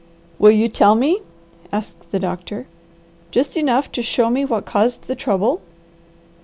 "Will you tell me," asked the doctor, "just enough to show me what caused the trouble?"